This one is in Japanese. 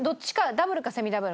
ダブルかセミダブル。